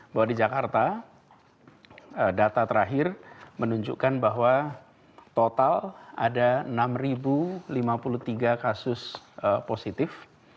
bahwa di jakarta data terakhir menunjukkan bahwa total ada enam lima puluh tiga kasus positif